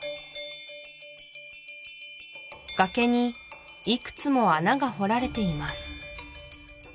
崖にいくつも穴が掘られています